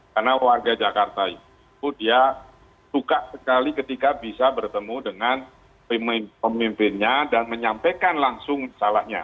karena warga jakarta itu dia suka sekali ketika bisa bertemu dengan pemimpinnya dan menyampaikan langsung salahnya